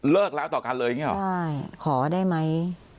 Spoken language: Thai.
แล้วต่อกันเลยอย่างนี้หรอใช่ขอได้ไหม